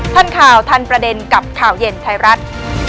ทันข่าวทันประเด็นกับข่าวเย็นไทยรัฐ